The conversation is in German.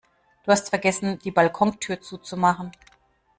Du hast vergessen, die Balkontür zuzumachen.